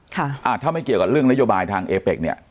อ่าถ้าไม่เกี่ยวกับเรื่องนโยบายทางเอเป็กเนี่ย